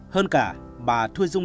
hơn cả bà thu dung